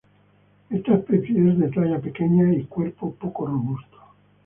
Esta especie es de talla pequeña y cuerpo poco robusto.